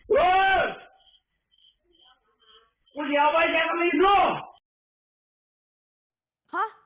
คุณเดี๋ยวไว้เย็นตรงนี้ก็รู้